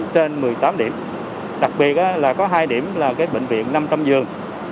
trên một mươi tám điểm đặc biệt là có hai điểm là bệnh viện năm trăm linh giường